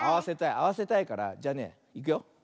あわせたいからじゃあねいくよ。